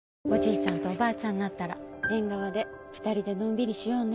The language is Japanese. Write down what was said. ちゃんとおばあちゃんになったら縁側で２人でのんびりしようね。